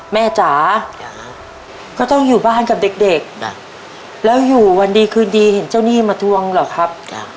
จ๋าก็ต้องอยู่บ้านกับเด็กแล้วอยู่วันดีคืนดีเห็นเจ้าหนี้มาทวงเหรอครับ